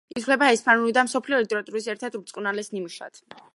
ითვლება ესპანური და მსოფლიო ლიტერატურის ერთ-ერთ უბრწყინვალეს ნიმუშად.